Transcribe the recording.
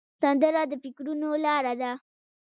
سندره د فکرونو لاره ده